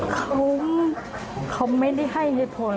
เขาไม่ได้ให้เหตุผล